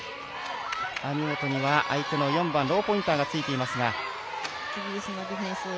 網本には相手の４番ローポインターがついていますが。